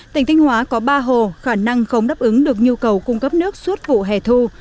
tỉnh thanh hóa có ba hồ khả năng không đáp ứng được nhu cầu cung cấp nước suốt vụ hè thu